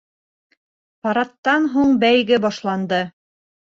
Парадтан һуң бәйге башланды.